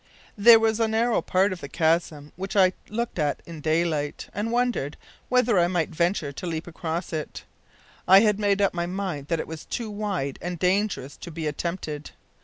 "There was a narrow part of the chasm which I had looked at in daylight, and wondered whether I might venture to leap across it. I had made up my mind that it was too wide and dangerous to be attempted.